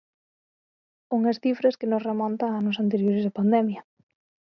Unha cifras que nos remonta a anos anteriores á pandemia.